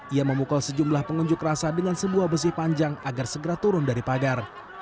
ia memukul sejumlah pengunjuk rasa dengan sebuah besi panjang agar segera turun dari pagar